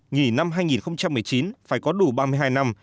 nghỉ năm hai nghìn một mươi chín phải có đủ ba mươi hai năm